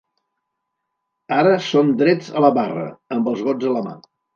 Ara són drets a la barra, amb els gots a la mà.